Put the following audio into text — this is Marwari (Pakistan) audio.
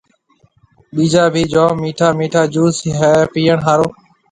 ٻيجا ڀِي جوم مِٺا مِٺا جوُس هيَ پِئيڻ هاورن۔